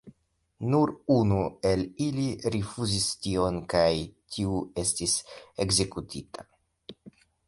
Nur unu el ili rifuzis tion kaj tiu estis ekzekutita.